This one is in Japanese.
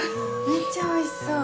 めっちゃおいしそう。